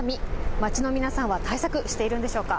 街の皆さんは対策、しているんでしょうか。